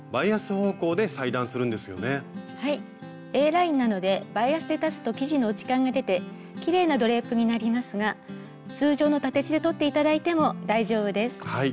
Ａラインなのでバイアスで裁つと生地の落ち感が出てきれいなドレープになりますが通常の縦地で取って頂いても大丈夫です。